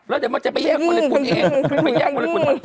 แล้วเดี๋ยวมันจะไปแยกกว่าละกุ่นเองไปแยกกว่าละกุ่นเอง